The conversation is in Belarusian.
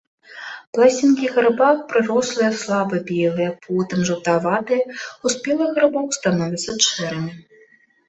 Пласцінкі грыба прырослыя слаба, белыя, потым жаўтаватыя, у спелых грыбоў становяцца шэрымі.